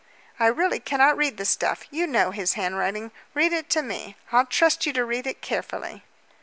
"I really cannot read the stuff. You know his handwriting. Read it to me. I'll trust you to read It carefully."